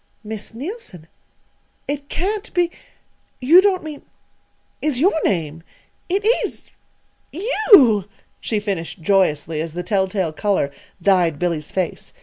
"Miss Neilson it can't be you don't mean is your name it is you!" she finished joyously, as the telltale color dyed Billy's face.